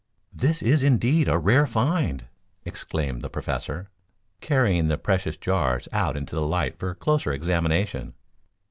"This is, indeed, a rare find!" exclaimed the Professor, carrying the precious jars out into the light for closer examination.